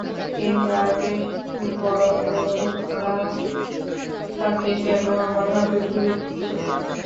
কিন্তু আগে বল তোমরা তাকে কেন আমার হাতে তুলে দিচ্ছ?